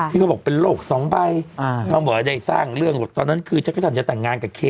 ที่เขาบอกเป็นโรคสองใบตอนนั้นคือจักรจันทร์จะแต่งงานกับเค